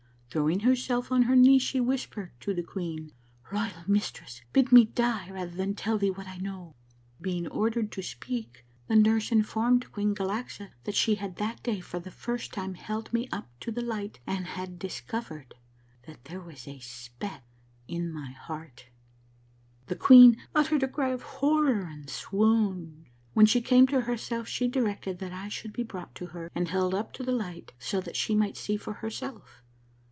Throwing herself on her knees, she whispered to the queen, ' Royal mistress, bid me die rather than tell thee what I know.' " Being ordered to speak, the nurse informed Queen Galaxa that she had that day for the first time held me up to the light and had discovered that there was a speck in inj^ heart. " The queen uttered a cry of horror and swooned. When she came to herself she directed that I should be brought to her and held up to the light so that she might see for herself.